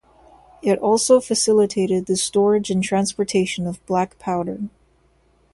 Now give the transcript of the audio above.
It also facilitated the storage and transportation of black powder.